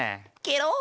ケロ！